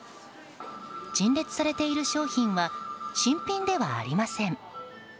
陳列されている商品は新品ではありません。